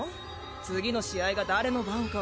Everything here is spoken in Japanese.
次の試合が誰の番か。